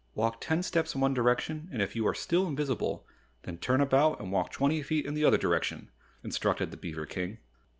"Walk ten steps in one direction and if you are still invisible, then turn about and walk twenty feet in the other direction," instructed the beaver King.